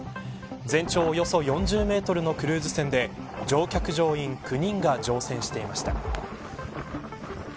全長およそ４０メートルのクルーズ船で乗客、乗員９人が乗船していました。